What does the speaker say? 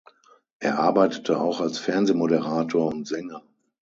Er arbeitete auch als Fernsehmoderator und Sänger.